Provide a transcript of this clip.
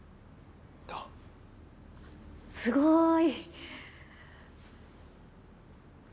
すごい！